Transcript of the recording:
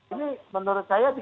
ini menurut saya di